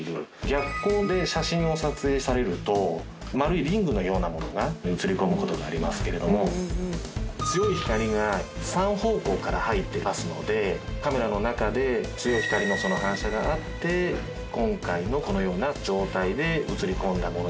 逆光で写真を撮影されると丸いリングのようなものが映り込む事がありますけれども強い光が３方向から入ってますのでカメラの中で強い光の反射があって今回のこのような状態で映り込んだものだと思われます。